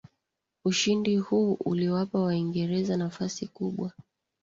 ushindi huu uliwapa waingereza nafasi kubwa